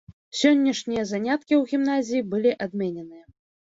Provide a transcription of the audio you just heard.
Сённяшнія заняткі ў гімназіі былі адмененыя.